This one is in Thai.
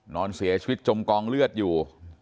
นอนเสียชีวิตจมกองเลือดอยู่